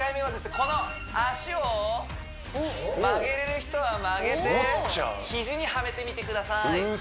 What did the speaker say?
この足を曲げれる人は曲げて肘にはめてみてください嘘！？